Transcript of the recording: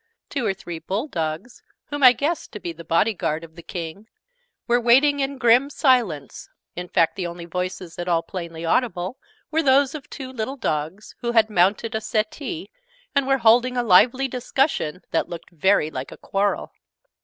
Two or three Bull dogs whom I guessed to be the Body Guard of the King were waiting in grim silence: in fact the only voices at all plainly audible were those of two little dogs, who had mounted a settee, and were holding a lively discussion that looked very like a quarrel.